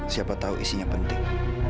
siapa tahu isinya penting